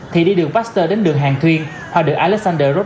thì đi đường baxter đến đường hàng thuyên hoặc đường alexander road